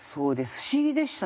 不思議でしたね。